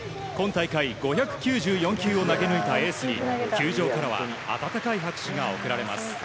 今大会、５９４球を投げ抜いたエースに球場からは温かい拍手が送られます。